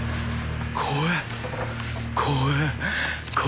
怖え。